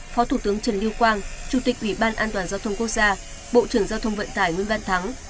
phó thủ tướng trần lưu quang chủ tịch ủy ban an toàn giao thông quốc gia bộ trưởng giao thông vận tải nguyễn văn thắng